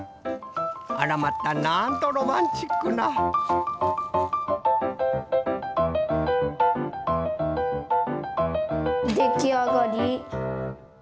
あらまたなんとロマンチックなできあがり。